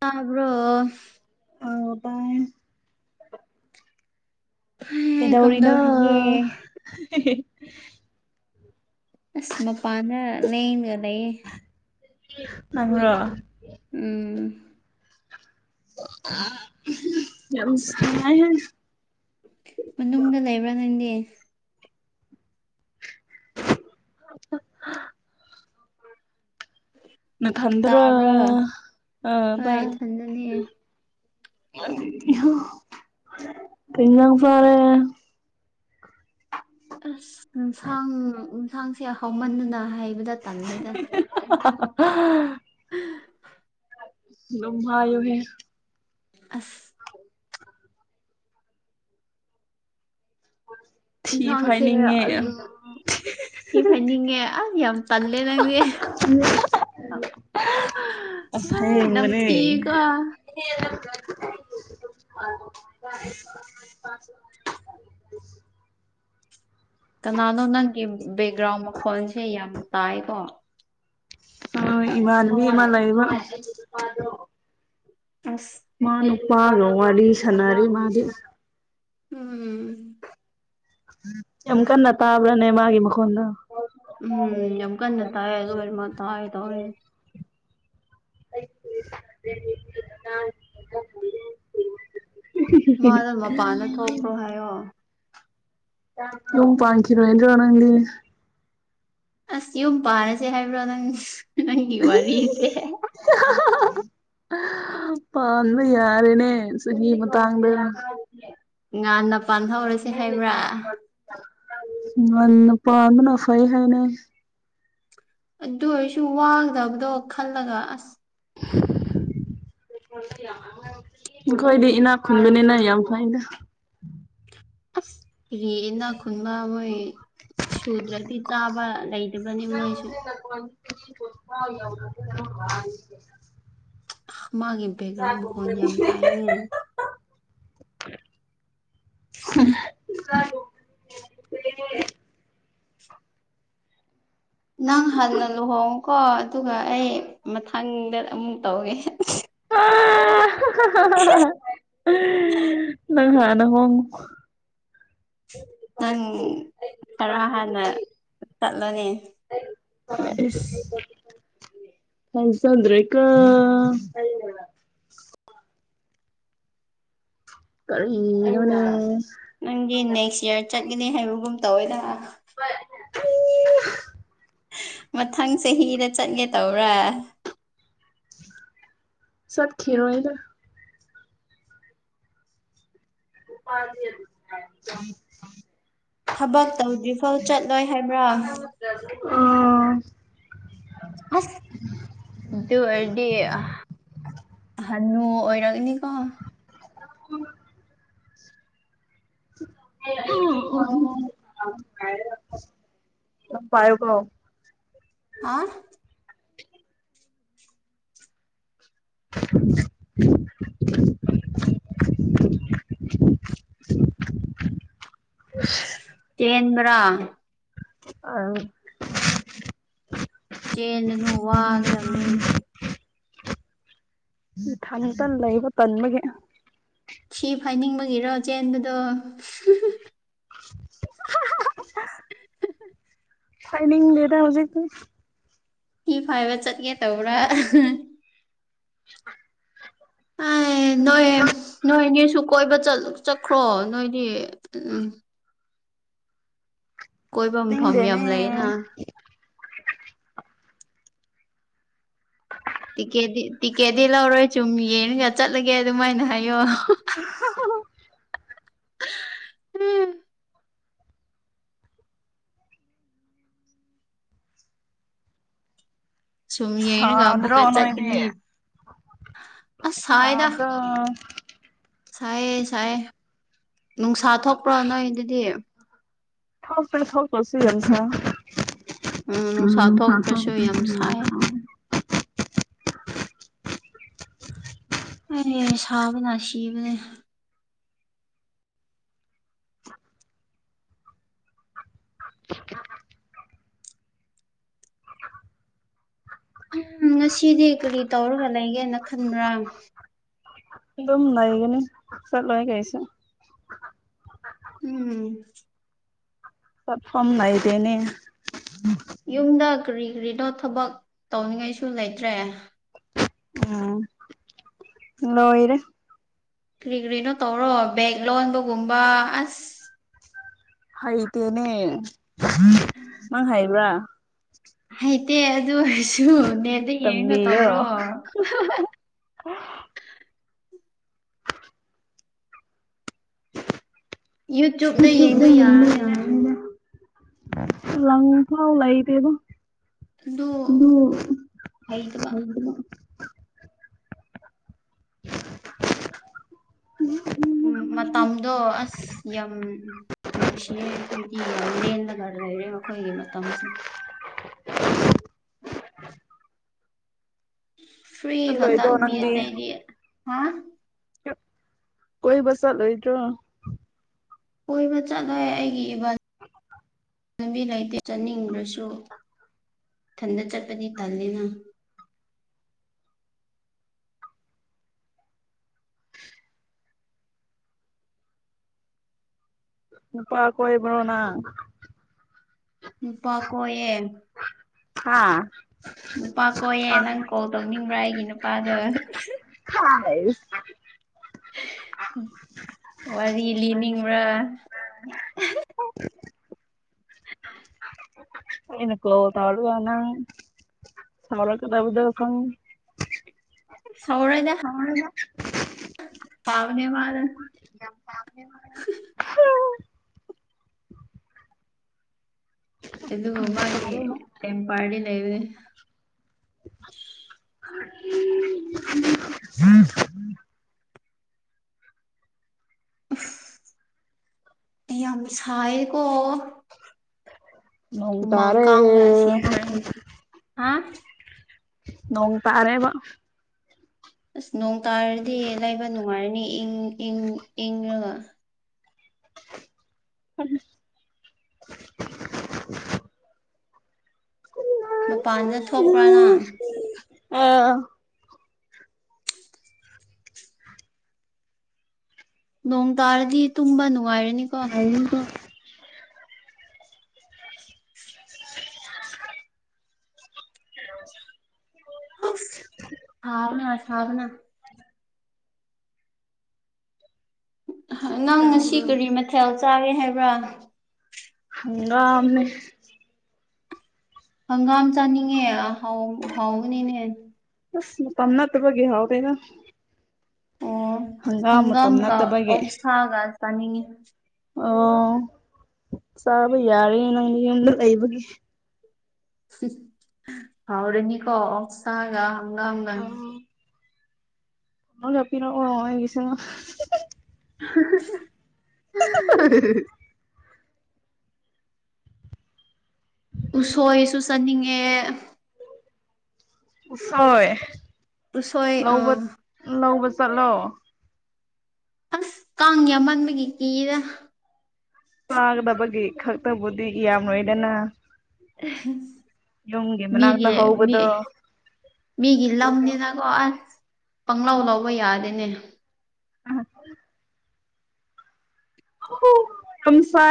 ꯇꯕ꯭ꯔꯣ ꯑꯉ ꯇꯥꯏ ꯍꯩ ꯑꯦꯗꯣ ꯑꯣꯔꯤꯅ ꯀꯝꯗꯧꯔꯤꯒꯦ ꯑꯁ ꯃꯄꯥꯟꯗ ꯂꯩꯅꯒ ꯂꯩꯌꯦ ꯃ꯭ꯔ ꯎꯝ ꯅꯁ ꯃꯅꯨꯡꯗ ꯂꯩꯕ꯭ꯔꯥ ꯅꯪꯗꯤ [unintelligible] ꯅ ꯇꯗꯔ ꯇꯥꯕ꯭ꯔꯣ ꯑ ꯍꯣꯏ ꯏꯊꯟꯗꯅꯦ ꯏ ꯏ ꯄ ꯐꯔꯦ ꯑꯁ ꯟꯁꯥꯡ ꯟꯁꯥꯡꯁꯦ ꯍꯥꯎꯃꯟꯗꯅ ꯍꯥꯏꯩꯕꯗ ꯇꯜꯜꯂꯤꯦꯗ ꯎꯝ ꯎꯝ ꯃꯌꯨꯍꯦ ꯑꯁ ꯊꯤ ꯌꯦꯟꯁꯥꯡꯁꯦ ꯐꯥꯏꯅꯤꯡꯉꯦ ꯑꯗꯨ ꯍ ꯍꯥꯏꯅꯤꯡꯉꯦ ꯑ ꯌꯥꯝ ꯇꯂꯦ ꯂꯩꯦ ꯑ ꯅꯝ ꯑꯁꯦꯡꯕꯅꯦ ꯊꯤꯒ [unintelligible] [unintelligible] ꯀꯅꯥꯅꯣ ꯅꯪꯒꯤ ꯕꯦꯛꯒ꯭ꯔꯥꯎꯟ ꯃꯈꯣꯜꯁꯦ ꯌꯥꯝ ꯇꯥꯏꯀꯣ ꯑ ꯏꯃꯥꯅꯕꯤ ꯏꯃꯥꯅ ꯂꯩꯕ ꯅꯁ ꯃꯥ ꯅꯨꯄꯥ ꯔꯣꯋꯥꯂꯤ ꯁꯅꯔꯤ ꯃꯥꯗꯤ ꯎꯝ ꯌꯥꯝ ꯀꯟꯅ ꯇꯥꯕ꯭ꯔꯅꯦ ꯃꯥꯒꯤ ꯃꯈꯣꯟꯅ ꯎꯝ ꯌꯥꯝꯝ ꯀꯟꯅ ꯇ ꯔꯃ ꯇ ꯇꯌꯦ ꯑꯩ ꯃꯥꯗꯣ ꯃꯄꯥꯟꯗ ꯊꯣꯛꯈ꯭ꯔꯣ ꯍꯥꯏꯌꯣ [inaudible] ꯑꯣ ꯄ ꯀꯔ ꯋꯥꯅꯗꯤ ꯑꯁ ꯌꯨꯝ ꯄꯥꯔꯁꯦ ꯍꯥꯏꯕ꯭ꯔꯣ ꯅꯪ ꯅꯪꯒꯤ ꯋꯥꯔꯤꯁꯦ ꯄꯝꯝꯕ ꯌꯥꯔꯦꯅꯦ ꯆꯍꯤ ꯃꯇꯥꯡꯗ ꯉꯥꯟꯟꯅ ꯄꯥꯟꯊꯧꯔꯁꯤꯦ ꯍꯥꯏꯕ꯭ꯔꯥ ꯃ ꯄꯥꯡꯅꯥꯐꯥ ꯍꯥꯏꯅ ꯑꯗꯨ ꯑꯣꯏꯔꯁꯨ ꯋꯥꯒꯗꯕꯗꯣ ꯈꯜꯂꯒ ꯑꯁ [inaudible] ꯑꯩꯈꯣꯏꯗꯤ ꯏꯅꯥꯛ ꯈꯨꯟꯕꯅꯤꯅ ꯌꯥꯝ ꯐꯩꯗ ꯑꯁ ꯔꯦꯗ ꯈꯨꯟꯕ ꯃꯣꯏ ꯁꯨꯗ꯭ꯔꯗꯤ ꯆꯥꯕ ꯂꯩꯇꯕꯅꯤ ꯃꯣꯏꯁꯨ [inaudible] ꯃꯥꯒꯤ ꯕꯦꯛꯒ꯭ꯔꯥꯎꯟ ꯐꯣꯟ ꯌꯥꯝ ꯇꯥꯏꯅꯦ ꯍ ꯉ ꯅꯪ ꯍꯥꯟꯟꯅ ꯂꯨꯍꯣꯡꯉꯨꯀꯣ ꯑꯗꯨꯒ ꯑꯩ ꯃꯊꯪꯗ ꯑꯃꯨꯛ ꯇꯧꯏꯦ ꯅꯪꯉ ꯅꯪꯉꯣ ꯅꯪ ꯈꯔ ꯍꯥꯟꯅ ꯆꯠꯂꯅꯤ ꯐ ꯍ ꯆꯗ꯭ꯔꯦ ꯀ ꯀꯅꯦ ꯅꯪꯗꯤ ꯅꯦꯛꯁ ꯌꯌꯥꯔ ꯆꯠꯒꯅꯤ ꯍꯥꯏꯕꯒꯨꯝ ꯇꯧꯋꯦꯗ ꯎꯝ ꯃꯊꯪ ꯆꯍꯤꯗ ꯆꯠꯒꯦ ꯇꯧꯔꯥ ꯁꯛꯈꯤ ꯑꯣꯏꯗ ꯎꯄꯥ ꯊꯕꯛ ꯇꯧꯗ꯭ꯔꯤꯐꯥꯎ ꯆꯠꯂꯣꯏ ꯍꯥꯏꯕ꯭ꯔꯥ ꯑꯣ ꯑ ꯑꯗꯨ ꯑꯣꯏꯔꯗꯤ ꯍꯅꯨ ꯑꯣꯏꯔꯒꯅꯤ ꯀꯣ ꯎꯝ ꯍ ꯄꯣ ꯄꯣ ꯑ [inaudible] [unintelligible] [inaudible] ꯀꯦꯟꯗ꯭ꯔꯥ ꯑ ꯆꯦꯟꯂꯅꯨ ꯋꯥꯒꯗꯕꯅꯦ ꯊꯇ ꯂꯩꯕ ꯇꯟꯕꯒꯤ ꯁꯤ ꯐꯥꯏꯅꯤꯡꯕꯒꯤꯔꯣ ꯆꯦꯟꯕꯗꯣ ꯐꯅꯤꯡ ꯂꯩꯗ ꯍꯧꯖꯤꯛꯀꯤ ꯐꯤ ꯐꯥꯏꯕ ꯆꯠꯀꯦ ꯇꯧꯕ꯭ꯔꯥ [inaudible] ꯑꯥꯏ ꯅꯣꯏ ꯅꯣꯏ ꯑꯅꯤꯁꯨ ꯀꯣꯏꯕ ꯆꯠꯈ꯭ꯔꯣ ꯅꯣꯏꯗꯤ ꯎꯝ ꯀꯣꯏꯕ ꯃꯐꯝ ꯌꯥꯝ ꯆꯠꯅꯤꯡꯗꯦꯅꯦ ꯂꯩꯌꯦꯅ ꯇꯤꯛꯀꯦ ꯇꯤꯛꯀꯦꯠꯇꯤ ꯂꯧꯔꯣꯏ ꯁꯨꯝ ꯌꯦꯡꯒ ꯆꯠꯂꯒꯦ ꯑꯗꯨꯃꯥꯏꯅ ꯍꯥꯏꯌꯣ [unintelligible] ꯁꯨꯝ ꯌꯦꯡꯔꯒ ꯑꯃꯨꯛꯀ ꯍ꯭ꯔꯣꯅ ꯏꯗꯤ ꯆꯠꯀꯅꯤ ꯑꯁ ꯁꯥꯏꯗ ꯗ꯭ꯔ ꯁꯥꯏꯌꯦ ꯁꯥꯏ ꯅꯨꯡꯁꯥ ꯊꯣꯛꯄ꯭ꯔꯣ ꯅꯣꯏ ꯑꯗꯨꯗꯤ ꯊ ꯐ ꯊ ꯀꯁꯤꯒ ꯊ ꯅꯨꯡꯁꯥ ꯎꯝ ꯁꯥꯇꯣ ꯊꯣꯛꯇ꯭ꯔꯁꯨ ꯌꯥꯝ ꯀ ꯁꯥꯏ ꯑꯔꯦ ꯁꯥꯥꯕꯅ ꯁꯤꯕꯅꯦ [unintelligible] ꯎꯝ ꯉꯁꯤꯗꯤ ꯀꯔꯤ ꯇꯧꯔꯒ ꯂꯩꯒꯦꯅ ꯈꯟꯕ꯭ꯔꯥ ꯑꯗꯨꯝ ꯂꯩꯒꯅꯤ ꯆꯂꯣ ꯀꯩꯁ ꯎꯝ ꯁ ꯐꯝꯅꯥꯏꯗꯦꯅꯦ ꯌꯨꯝꯗ ꯀꯔꯤ ꯀꯔꯤꯅꯣ ꯊꯕꯛ ꯇꯧꯅꯤꯡꯉꯥꯏꯁꯨ ꯂꯩꯇ꯭ꯔꯦ ꯎꯝ ꯂꯣꯏꯔ ꯀꯔꯤ ꯀꯔꯤꯅꯣ ꯇꯧꯔꯣ ꯕꯦꯛ ꯂꯣꯟꯕꯒꯨꯝꯕ ꯑꯁ ꯍꯩꯇꯦꯅꯦ ꯅꯪ ꯍꯩꯕ꯭ꯔꯥ ꯍꯩꯇꯦ ꯑꯗꯨ ꯑꯣꯏꯔꯁꯨ ꯅꯦꯗ ꯌꯦꯡꯩꯅꯣ ꯇꯝꯕꯤꯌꯣ ꯇꯧꯔꯣ ꯀ ꯌꯨꯇ꯭ꯌꯨꯕꯇ ꯌꯨꯇꯕꯗ ꯌꯦꯡꯕ ꯌꯦꯡꯃꯤ ꯌꯥ ꯌꯥꯔꯅꯤꯗ ꯂꯪ ꯊ ꯂꯩꯗꯦ ꯑꯗꯨꯣ ꯑꯗꯨ ꯍꯩꯇꯕ ꯑꯗꯨ ꯎꯝ ꯎꯝ ꯃꯇꯝꯗꯣ ꯑꯁ ꯌꯥꯝ ꯅꯨꯡꯁꯤꯌꯦ ꯑꯩꯈꯣꯏꯗꯤ ꯌꯥꯝ ꯂꯦꯜꯂꯒ ꯂꯩꯔꯦ ꯑꯩꯈꯣꯏꯒꯤ ꯃꯇꯝꯁꯦ ꯐ꯭ꯔꯤ ꯍꯇꯥ ꯆꯠꯂꯣꯏꯗ꯭ꯔꯣ ꯃꯤ ꯅꯪꯗꯤ ꯌꯦꯗꯤ ꯍꯥ ꯀꯣꯏꯕ ꯆꯠꯂꯣꯏꯗ꯭ꯔꯣ ꯀꯣꯏꯕ ꯆꯠꯂꯣꯏ ꯑꯩꯒꯤ ꯏꯕꯥ [unintelligible] ꯆꯅꯕꯤ ꯂꯩꯇ ꯆꯥꯅꯤꯡꯗꯁꯨ ꯊꯟꯗ ꯆꯠꯄꯗꯤ ꯇꯜꯜꯂꯤꯦꯅ ꯎꯄꯥ ꯀꯣꯏꯕꯔꯣꯅꯥ ꯅꯨꯄꯥ ꯀꯣꯌꯦꯦ ꯍꯥꯥ ꯅꯨꯄꯥ ꯀꯣꯏꯌꯦꯦ ꯅꯪ ꯀꯣꯜ ꯇꯧꯅꯤꯡꯕ꯭ꯔꯥ ꯑꯩꯒꯤ ꯅꯨꯄꯥꯗꯣ ꯑꯁ ꯋꯥꯔꯤ ꯂꯤꯅꯤꯡꯕ꯭ꯔꯥ [unintelligible] ꯑꯅ ꯀꯣ ꯇꯒꯅ ꯁꯔ ꯀꯗꯕꯨꯗ ꯈꯪ ꯍꯥꯎꯔꯗ ꯐꯥꯎꯅꯦ ꯃꯥꯔ ꯑꯗꯨꯗꯨ ꯃ ꯃꯥꯒꯤꯦ ꯇꯝ ꯄꯥ ꯂꯩ ꯂꯩꯦ [unintelligible] ꯎꯝ ꯌꯥꯝ ꯁꯥꯏꯌꯦꯀꯣ ꯃ ꯇꯔꯦ ꯁꯤꯗꯣꯔꯦ ꯍꯥ ꯅꯣꯡ ꯇꯔꯦꯕ ꯑꯁ ꯅꯣꯡ ꯇꯥꯔꯗꯤ ꯂꯩꯕ ꯅꯨꯡꯉꯥꯏꯔꯅꯤ ꯏꯪ ꯏꯪ ꯏꯪꯔꯒ ꯎ ꯃꯄꯥꯟꯗ ꯊꯣꯛꯄ꯭ꯔꯥꯅ ꯑꯥ ꯅꯣꯡ ꯇꯥꯔꯗꯤ ꯇꯨꯝꯕ ꯅꯨꯡꯉꯥꯏꯔꯅꯤꯀꯣ [unintelligible] [unintelligible] [unintelligible] ꯁꯥꯕꯅ ꯁꯥꯕꯅ ꯅꯪ ꯉꯁꯤ ꯇꯥꯕ꯭ꯔꯣ ꯀꯔꯤ ꯃꯊꯦꯜ ꯆꯥꯒꯦ ꯍꯥꯏꯕ꯭ꯔꯥ ꯍꯃꯦ ꯍꯪꯒꯥꯝ ꯆꯥꯅꯤꯡꯉꯦ ꯍꯥꯎ ꯍꯥꯎꯅꯤꯅꯦ ꯑꯁ ꯇꯝꯅꯠꯇꯕꯒ ꯍꯎꯗꯦꯒ ꯑꯣ ꯍꯪꯒꯥ ꯑꯃꯒ ꯅꯠꯇꯕꯒꯤ ꯑꯣꯁꯒꯥꯁ ꯑꯅꯤ ꯑꯣ ꯆꯥꯕ ꯌꯥꯔꯦꯌꯦ ꯅꯪꯒꯤ ꯌꯨꯝꯗ ꯂꯩꯕꯒꯤ ꯍꯥꯎꯔꯅꯤꯀꯣ ꯑꯣꯒ ꯍꯒꯥ ꯍ ꯀꯟꯅ ꯆꯄꯤꯔ ꯑꯣ ꯍꯁꯅ [unintelligible] [unintelligible] ꯎꯁꯣꯏꯁꯨ ꯆꯠꯅꯤꯡꯉꯦ ꯁꯣꯏ ꯎꯁꯣꯏ ꯂꯧꯕ ꯑꯥ ꯂꯧꯕ ꯆꯠꯂꯣ ꯑꯁ ꯀꯪꯉꯦꯃꯟꯕꯒꯤ ꯀꯤꯗ ꯇꯥꯗꯕꯒꯤ ꯈꯛꯇꯕꯨꯗꯤ ꯌꯥꯝ ꯅꯣꯏꯗꯅ [unintelligible] ꯃꯅꯥꯛꯇ ꯃꯤꯒꯤ ꯃꯤ ꯍꯧꯕꯗꯣ ꯃꯤꯒꯤ ꯂꯝꯅꯤꯅꯀꯣ ꯄꯪꯂꯂꯥꯎ ꯂꯧꯕ ꯌꯥꯗꯦꯅꯦ ꯑ ꯑꯣ ꯍꯣ ꯔꯝꯁꯥ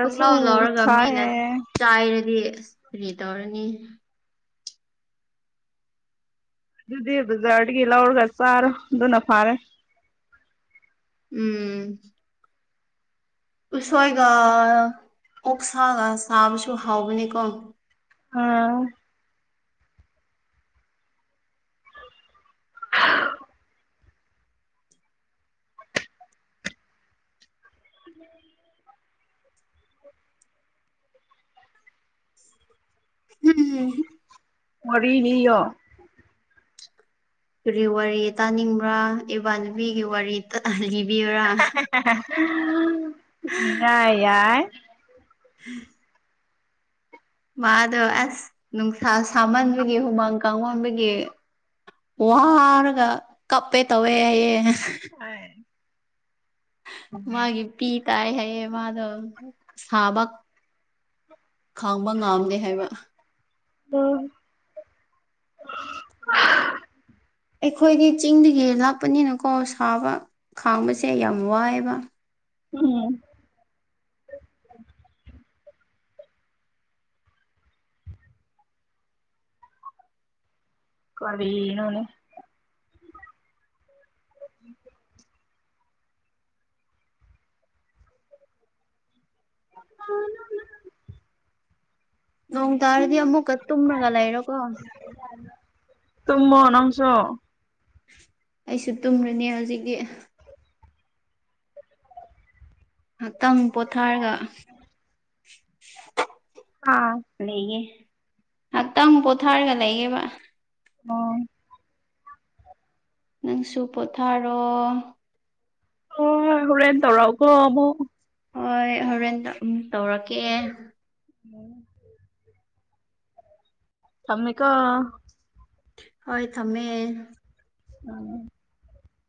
ꯈꯪꯂꯂꯥꯎ ꯂꯧꯔꯒ ꯃꯤꯅ ꯁꯥꯏꯌꯦ ꯆꯥꯏꯔꯗꯤ ꯑꯁ ꯀꯔꯤ ꯇꯧꯔꯅꯤ ꯑꯗꯨꯗꯤ ꯖꯔꯠꯀꯤꯂꯔꯒꯁꯥꯔ ꯑꯗꯨꯅ ꯐꯥꯔꯦ ꯎꯝ ꯎꯁꯣꯏꯒ ꯑꯣꯛꯁꯥꯒ ꯆꯥꯕꯁꯨ ꯍꯥꯎꯕꯅꯤꯀꯣ ꯑ ꯎꯝ ꯍꯝꯝ ꯋꯥꯔꯤ ꯂꯤꯌꯣ ꯀꯔꯤ ꯋꯥꯔꯤ ꯇꯥꯅꯤꯡꯕ꯭ꯔꯥ ꯏꯕꯥ ꯅꯨꯄꯤꯒꯤ ꯋꯥꯔꯤ ꯂꯤꯕꯤꯌꯨꯔꯥ ꯏꯌꯥ ꯌꯥꯏ ꯎꯝ ꯃꯥꯗꯣ ꯑꯁ ꯅꯨꯡꯁꯥ ꯁꯥꯝꯍꯟꯕꯒꯤ ꯍꯨꯃꯥꯡ ꯀꯥꯡꯃꯟꯕꯒꯤ ꯋꯥꯔꯒ ꯀꯞꯄꯦ ꯇꯧꯋꯦ ꯍꯥꯏꯌꯦ ꯑ ꯃꯥꯒꯤ ꯄꯤ ꯇꯥꯏ ꯍꯥꯏꯌꯦ ꯃꯥꯗꯣ ꯁꯥꯕ ꯈꯥꯡꯕ ꯉꯥꯝꯗꯦ ꯍꯥꯏꯕ ꯎꯝ ꯑꯩꯈꯣꯏꯗꯤ ꯆꯤꯡꯗꯒꯤ ꯂꯥꯛꯄꯅꯤꯅꯀꯣ ꯁꯥꯕ ꯈꯥꯡꯕꯁꯦ ꯌꯥꯝ ꯋꯥꯏꯑꯦꯕ ꯎꯝ ꯀꯔꯤꯅꯣꯅꯦ ꯎ ꯐ ꯅꯣꯡ ꯇꯥꯔꯗꯤ ꯑꯃꯨꯛꯀ ꯇꯨꯝꯃꯒ ꯂꯩꯔꯣꯀꯣ ꯁ ꯑꯩꯁꯨ ꯇꯨꯝꯃꯥꯅꯤ ꯍꯧꯖꯤꯛꯇꯤ ꯉꯥꯛꯇꯪ ꯄꯣꯊꯥꯔꯒ ꯑꯥ ꯂꯩꯒꯦ ꯉꯥꯏꯍꯥꯛꯇꯪ ꯄꯣꯊꯥꯔꯒ ꯂꯩꯒꯦꯕ ꯑꯣ ꯅꯪꯁꯨ ꯄꯣꯊꯥꯔꯣ ꯑꯣ ꯍꯨꯔꯦꯟ ꯇꯧꯔꯜꯑꯣꯀꯣ ꯑꯃꯨꯛ ꯍꯣꯏ ꯍꯣꯔꯦꯟ ꯑꯃꯨꯛ ꯇꯧꯔꯛꯀꯦ ꯎꯝ ꯊꯝꯃꯦ ꯀꯣ ꯍꯣꯏ ꯊꯝꯃꯦ ꯑ